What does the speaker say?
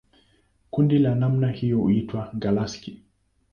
Kundi la namna hiyo huitwa galaksi.